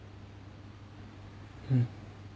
うん。